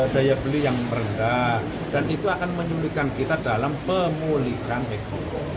daya beli yang merendah dan itu akan menyulitkan kita dalam pemulihan ekonomi